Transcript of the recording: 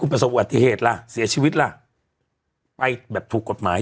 ประสบวัติเหตุล่ะเสียชีวิตล่ะไปแบบถูกกฎหมาย